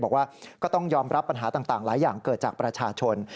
บอกว่าก็ต้องยอมรับปัญหาต่างหลายอย่างเกิดจากประชาชน